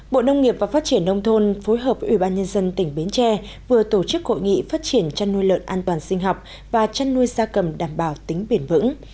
bộ nông nghiệp và phát triển nông thôn phối hợp với ủy ban nhân dân tỉnh bến tre vừa tổ chức hội nghị phát triển chăn nuôi lợn an toàn sinh học và chăn nuôi gia cầm đảm bảo tính bền vững